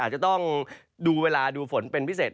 จะต้องดูเวลาดูฝนเป็นพิเศษ